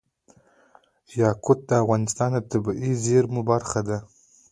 یاقوت د افغانستان د طبیعي زیرمو برخه ده.